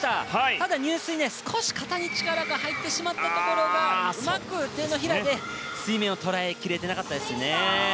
ただ入水、少し肩に力が入ってしまったところがうまく手のひらで水面を捉えきれていなかったですね。